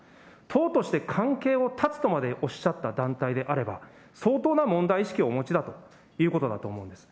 党として関係を断つとまでおっしゃった団体であれば、相当な問題意識をお持ちだということだと思うんです。